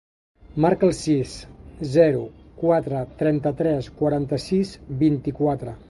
Marca el sis, zero, quatre, trenta-tres, quaranta-sis, vint-i-quatre.